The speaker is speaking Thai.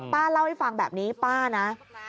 ป้าเล่าให้ฟังแบบนี้ป้านะ